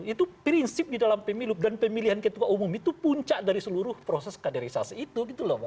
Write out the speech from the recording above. itu prinsip di dalam pemilu dan pemilihan ketua umum itu puncak dari seluruh proses kaderisasi itu gitu loh